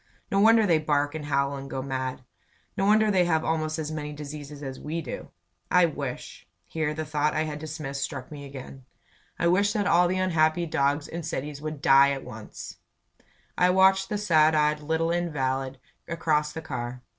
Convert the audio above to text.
"No wonder they bark and howl and go mad. No wonder they have almost as many diseases as we do! I wish " Here the thought I had dismissed struck me agin. "I wish that all the unhappy dogs in cities would die at once!" I watched the sad eyed little invalid across the car.